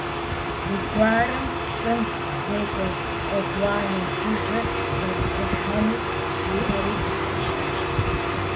Зэгуэрым лӀым зекӀуэ гъуэгуанэ жыжьэ зэрытехьэнур жиӀэри, ежьащ.